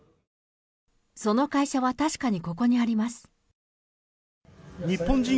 その会社は確かにここにあります。